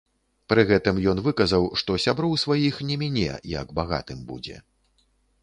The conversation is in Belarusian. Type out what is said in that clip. Пры гэтым ён выказаў, што сяброў сваіх не міне, як багатым будзе.